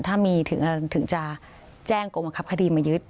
ถ้ามีถึงจะแจ้งกรมบังคับคดีมายึด